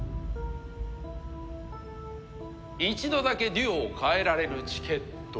一度だけデュオを変えられるチケット。